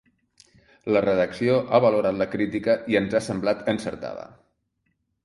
La redacció ha valorat la crítica i ens ha semblat encertada.